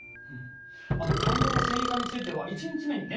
肝臓の線維化については１日目にね